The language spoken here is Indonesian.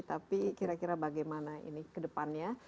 tapi kira kira bagaimana ini kedepannya